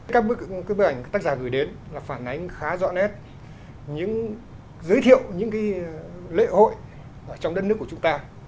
các bức ảnh tác giả gửi đến là phản ánh khá rõ nét những giới thiệu những lễ hội trong đất nước của chúng ta